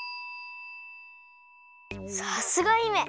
さすが姫！